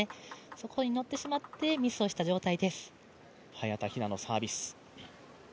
そこに乗ってしまってミスをした状態です。